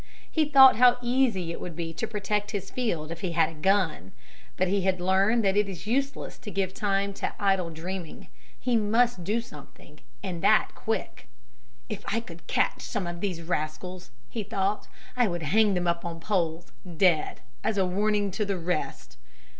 He thought how easy it would be to protect his field if he had a gun. But he had learned that it is useless to give time to idle dreaming. He must do something and that quick. "If I could catch some of these rascals," he thought, "I would hang them up on poles, dead, as a warning to the rest."